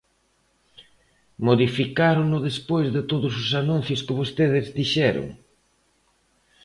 ¿Modificárono despois de todos os anuncios que vostedes dixeron?